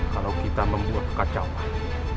kalau kita membuat kekacauan